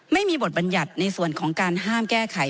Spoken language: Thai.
ไม่มีบทบัญญัติในส่วนของการห้ามแก้ไข